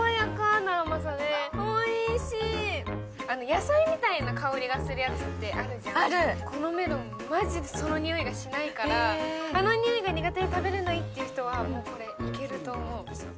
野菜みたいな香りがするやつってあるじゃん、このメロン、まじ、その匂いがしないからあの匂いが苦手で食べれないって人はこれ、いけると思う。